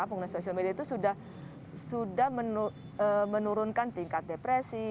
pengguna sosial media itu sudah menurunkan tingkat depresi